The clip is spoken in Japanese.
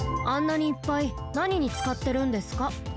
あんなにいっぱいなににつかってるんですか？